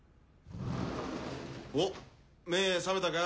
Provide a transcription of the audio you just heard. おっ目覚めたか？